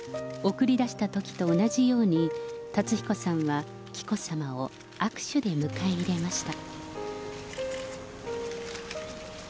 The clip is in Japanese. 送り出したときと同じように、辰彦さんは紀子さまを握手で迎え入れました。